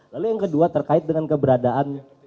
lalu yang kedua terkait dengan keberadaan